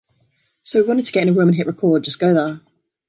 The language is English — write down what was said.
So we wanted to get in a room and hit record, just go there.